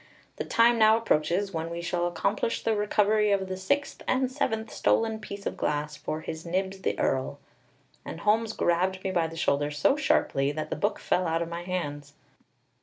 The time now approaches when we shall accomplish the recovery of the sixth and seventh stolen piece of glass for His Nibs the Earl!" And Holmes grabbed me by the shoulder so sharply that the book fell out of my hands.